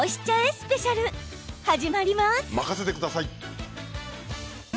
スペシャル始まります。